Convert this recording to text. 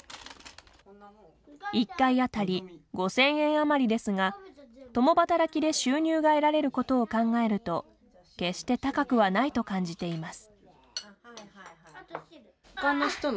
１回あたり５０００円余りですが共働きで収入が得られることを考えると決して高くはないと感じています。